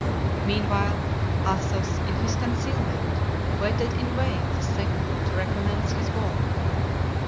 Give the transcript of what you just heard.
Meanwhile, Athos, in his concealment, waited in vain the signal to recommence his work.